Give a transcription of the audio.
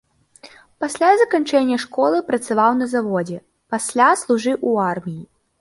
Пасля заканчэння школы працаваў на заводзе, пасля служыў у арміі.